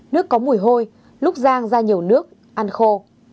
nước có mùi hôi lúc giang ra nhiều nước ăn khô